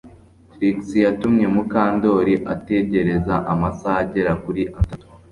Trix yatumye Mukandoli ategereza amasaha agera kuri atatu